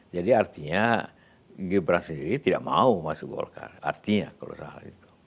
jadi artinya gibran sendiri tidak mau masuk golkar artinya kalau salah gitu